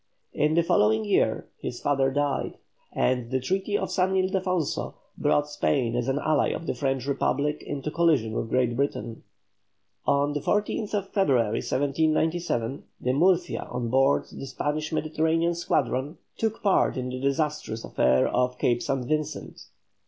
In the following year his father died, and the treaty of San Ildefonso brought Spain as an ally of the French republic into collision with Great Britain. On the 14th February, 1797, the "Murcia," on board the Spanish Mediterranean squadron, took part in the disastrous affair off Cape Saint Vincent.